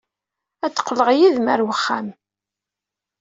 Ad d-qqleɣ yid-m ɣer uxxam.